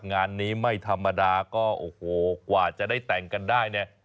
งานนี้ไม่ธรรมดาก็โอ้โหกว่าจะได้แต่งกันได้เนี่ย